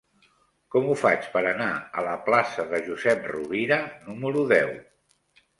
Com ho faig per anar a la plaça de Josep Rovira número deu?